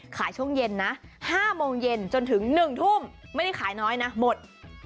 ช่วงเย็นนะ๕โมงเย็นจนถึง๑ทุ่มไม่ได้ขายน้อยนะหมด